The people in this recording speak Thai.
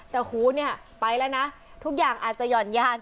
แต่หูเนี่ยไปแล้วนะทุกอย่างอาจจะหย่อนยาน